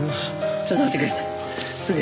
ちょっと待っててください。